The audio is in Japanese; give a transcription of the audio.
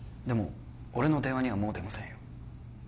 でも俺の電話にはもう出ませんよ